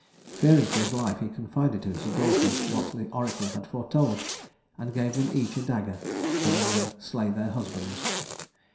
Fearing for his life, he confided to his daughters what the oracle had foretold, and gave them each a dagger, bidding them slay their husbands.